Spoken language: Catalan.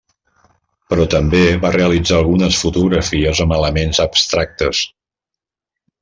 Però també va realitzar algunes fotografies amb elements abstractes.